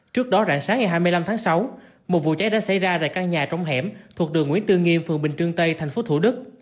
trước đó rạng sáng ngày hai mươi năm tháng sáu một vụ cháy đã xảy ra tại căn nhà trong hẻm thuộc đường nguyễn tư nghiêm phường bình trưng tây tp thủ đức